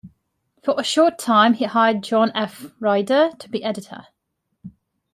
For a short time he hired John F. Rider to be editor.